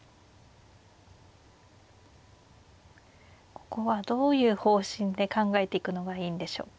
ここはどういう方針で考えていくのがいいんでしょうか。